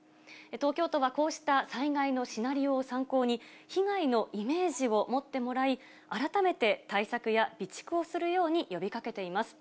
東京都はこうした災害のシナリオを参考に、被害のイメージを持ってもらい、改めて対策や備蓄をするように呼びかけています。